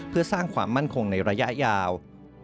เพื่อสร้างความมั่นคงในระยะยาว